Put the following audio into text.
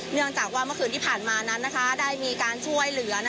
เนื่องจากว่าเมื่อคืนที่ผ่านมานั้นได้มีการช่วยเหลือ